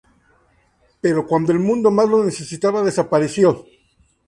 Pero cuando el mundo más lo necesitaba desapareció.